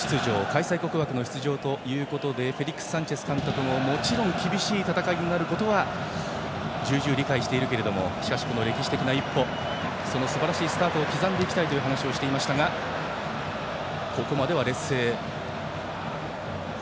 開催国枠の出場ということでフェリックス・サンチェス監督ももちろん厳しい戦いになることは重々理解しているけれどもこの歴史的な一歩そのすばらしいスタートを刻んでいきたいと話していましたがここまでは劣勢。